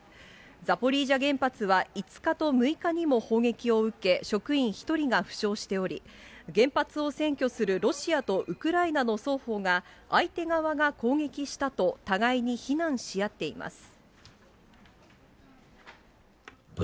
ザポリージャ原発は５日と６日にも砲撃を受け、職員１人が負傷しており、原発を占拠するロシアとウクライナの双方が相手側が攻撃したと、互いに非難し合っています。